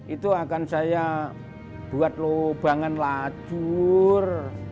itu akan saya buat lubangan lajur